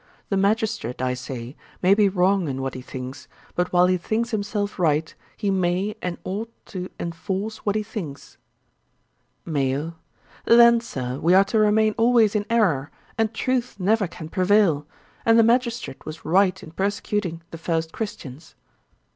The magistrate, I say, may be wrong in what he thinks: but while he thinks himself right, he may and ought to enforce what he thinks.' MAYO. 'Then, Sir, we are to remain always in errour, and truth never can prevail; and the magistrate was right in persecuting the first Christians.'